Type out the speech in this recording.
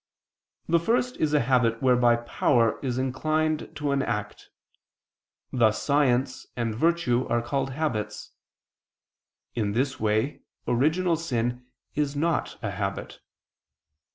The first is a habit whereby power is inclined to an act: thus science and virtue are called habits. In this way original sin is not a habit.